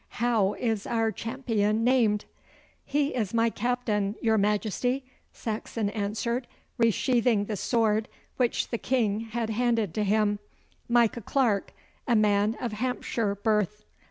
'How is our champion named?' 'He is my captain, your Majesty,' Saxon answered, resheathing the sword which the King had handed to him; 'Micah Clarke, a man of Hampshire birth.